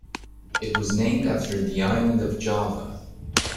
It was named after the island of Java.